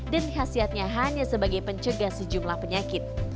khasiatnya hanya sebagai pencegah sejumlah penyakit